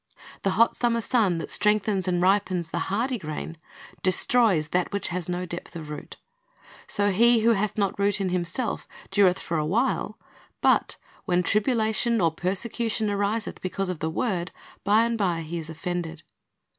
The hot summer sun, that strengthens and ripens the hardy grain, destroys that which has no depth of root. So he who "hath not root in himself," "dureth for a while;" but "when tribulation or persecution ariseth because of the word, by and by he is offended."